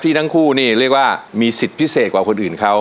ทั้งคู่นี่เรียกว่ามีสิทธิ์พิเศษกว่าคนอื่นเขา